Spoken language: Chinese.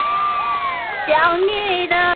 他同时也曾经被授予骑士铁十字勋章。